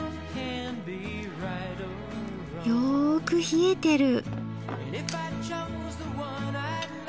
よく冷えてる。